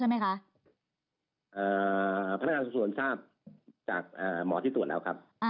พนักงานส่วนทราบจากหมอที่ตรวจแล้วครับ